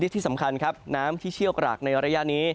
ที่สำคัญครับน้ำที่เชี่ยวกรากในระยะนี้